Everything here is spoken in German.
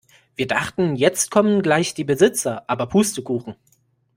Wir dachten, jetzt kommen gleich die Besitzer, aber Pustekuchen.